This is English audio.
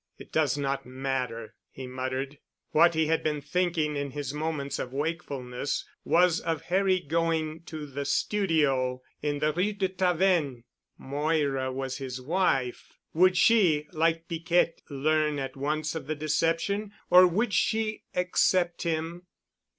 "It does not matter," he muttered. What he had been thinking in his moments of wakefulness was of Harry going to the studio in the Rue de Tavennes. Moira was his wife. Would she, like Piquette, learn at once of the deception? Or would she accept him...?